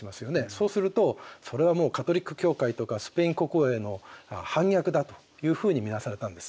そうするとそれはもうカトリック教会とかスペイン国王への反逆だというふうに見なされたんです。